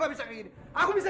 mana duit cari duit yang banyak